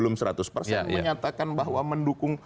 menyatakan bahwa mendukung